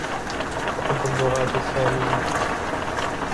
أُحب اللغات السامية.